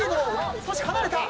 少し離れた。